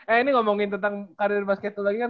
eh ini ngomongin tentang karir basket lagi kan